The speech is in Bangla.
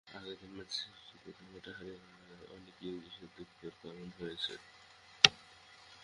আগের দিন ম্যানচেস্টার সিটিকে ওদের মাঠে হারিয়ে অনেক ইংলিশদের দুঃখের কারণ হয়েছেন।